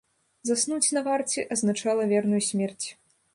Заснуць на варце азначала верную смерць.